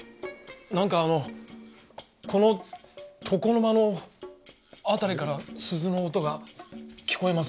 なんかあのこの床の間の辺りから鈴の音が聞こえますよね。